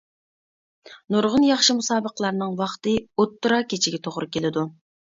نۇرغۇن ياخشى مۇسابىقىلەرنىڭ ۋاقتى ئوتتۇرا كېچىگە توغرا كېلىدۇ.